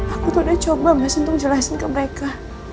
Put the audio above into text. aku sudah coba mas untuk jelasin ke mereka